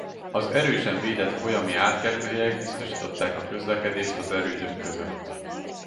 Az erősen védett folyami átkelőhelyek biztosították a közlekedést az erődök között.